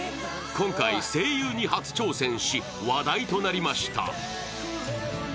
今回声優に初挑戦し、話題となりました。